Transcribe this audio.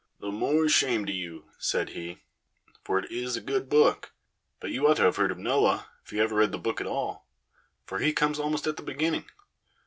"The more shame to you," said he, "for it is a good book. But you ought to have heard of Noah, if you ever read the Book at all, for he comes almost at the beginning.